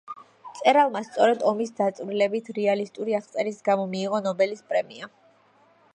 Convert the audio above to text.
მწერალმა სწორედ ომის დაწვრილებითი, რეალისტური აღწერის გამო მიიღო ნობელის პრემია.